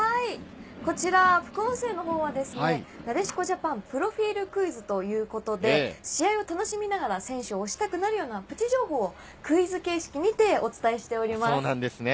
こちら、副音声は「なでしこジャパンプロフィールクイズ！」ということで、試合を楽しみながら選手を推したくなるようなプチ情報をクイズ形式でお伝えしております。